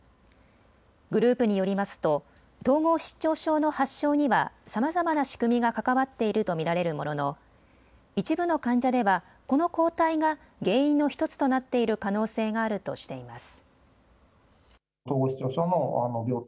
グループによりますと統合失調症の発症にはさまざまな仕組みが関わっていると見られるものの一部の患者ではこの抗体が原因の１つとなっている可能性があるとしています。